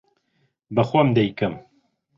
بە خۆم دەیکەم.